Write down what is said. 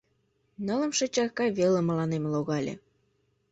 Нылымше чарка веле мыланем логале.